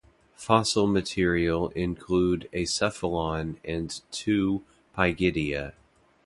Fossil material include a cephalon and two pygidia.